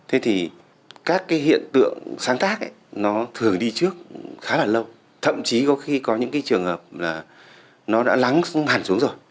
thế thì các cái hiện tượng sáng tác nó thường đi trước khá là lâu thậm chí có khi có những cái trường hợp là nó đã lắng hẳn xuống rồi